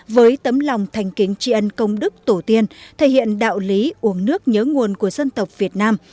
với tấm lòng thành kính tri ân công đức tổ tiên thể hiện đạo lý uống nước nhớ nguồn của dân tộc việt nam